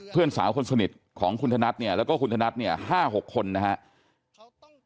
เพื่อนสาวคนสนิทของคุณธนัทเนี่ยแล้วก็คุณธนัดเนี่ย๕๖คนนะครับ